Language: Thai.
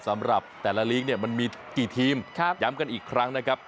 สำหรับแต่ละลีกเนี่ยมันมีกี่ทีมย้ำกันอีกครั้งนะครับ